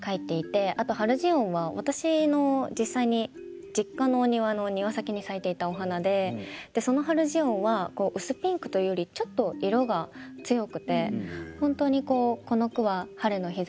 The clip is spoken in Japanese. あと「ハルジオン」は私の実際に実家のお庭の庭先に咲いていたお花でそのハルジオンは薄ピンクというよりちょっと色が強くて。